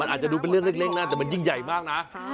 อาจจะดูเป็นเรื่องเล็กนะแต่มันยิ่งใหญ่มากนะ